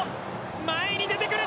前に出てくる。